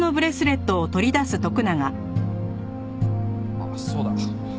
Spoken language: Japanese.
あっそうだ。